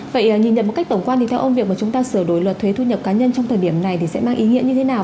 vậy nhìn nhận một cách tổng quan thì theo ông việc mà chúng ta sửa đổi luật thuế thu nhập cá nhân trong thời điểm này thì sẽ mang ý nghĩa như thế nào